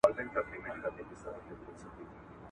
د نړيوالو اړيکو اصول په دقت سره مراعات کړئ.